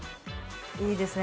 いいですね